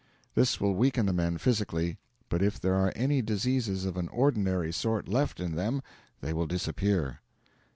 This will weaken the men physically, but if there are any diseases of an ordinary sort left in them they will disappear.